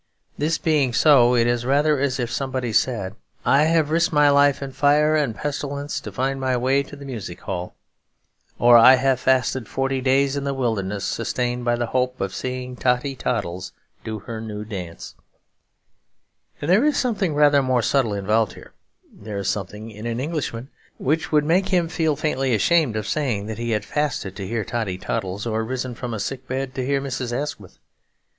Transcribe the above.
This being so, it is rather as if somebody said, 'I have risked my life in fire and pestilence to find my way to the music hall,' or, 'I have fasted forty days in the wilderness sustained by the hope of seeing Totty Toddles do her new dance.' And there is something rather more subtle involved here. There is something in an Englishman which would make him feel faintly ashamed of saying that he had fasted to hear Totty Toddles, or risen from a sick bed to hear Mrs. Asquith.